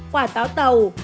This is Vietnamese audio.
quả táo tàu